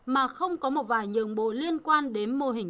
mà không có một vài nhường bồ liên quan đến mô hình